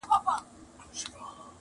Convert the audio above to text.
یو په یو به را نړیږي معبدونه د بُتانو.!